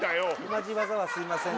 同じ技はすいません